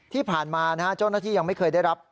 ที่ผ่านมาเจ้าหน้าที่ยังไม่เคยได้รับ